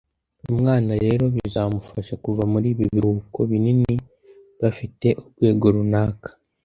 umwana rero bizamufasha kuva muri ibi biruhuko binini bafite urwego runaka